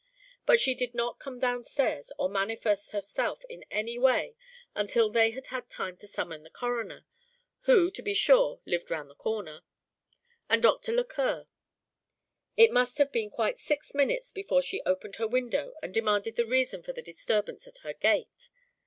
But she did not come downstairs or manifest herself in any way until they had had time to summon the coroner (who to be sure lived round the corner) and Dr. Lequeur. It must have been quite six minutes before she opened her window and demanded the reason for the disturbance at her gate.